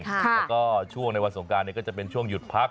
แล้วก็ช่วงในวันสงการก็จะเป็นช่วงหยุดพัก